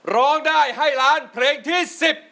ร้องได้ให้ล้านเพลงที่๑๐